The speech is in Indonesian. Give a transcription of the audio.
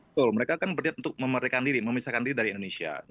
betul mereka kan berniat untuk memerikkan diri memisahkan diri dari indonesia